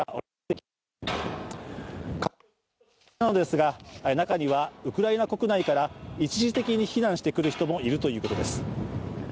観光地として有名なのですが、中にはウクライナ国内から一時的に避難してくる人もいるということです。